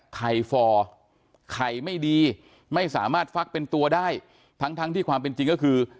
ไข่ฟอไข่ไม่ดีไม่สามารถฟักเป็นตัวได้ทั้งทั้งที่ความเป็นจริงก็คือ